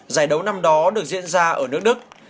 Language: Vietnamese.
giải đấu năm đó được diễn ra ở nước đức